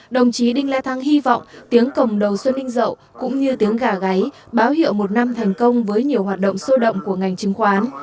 đồng chí đinh lê thăng hy vọng tiếng cổng đầu xuân đinh dậu cũng như tiếng gà gáy báo hiệu một năm thành công với nhiều hoạt động sô động của ngành chứng khoán